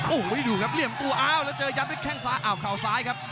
โอ้โหดูครับเหลี่ยมตัวอ้าวแล้วเจอยัดด้วยแข้งซ้ายอ้าวเข่าซ้ายครับ